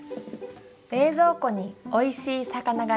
「冷蔵庫においしい魚がいる」。